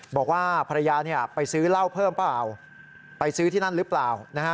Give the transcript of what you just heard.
บอกว่าภรรยาไปซื้อเหล้าเพิ่มเปล่าไปซื้อที่นั่นหรือเปล่า